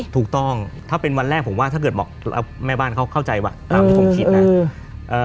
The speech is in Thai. ถูกต้องถ้าเป็นวันแรกผมว่าถ้าเกิดบอกแล้วแม่บ้านเขาเข้าใจว่ะตามที่ผมคิดนะ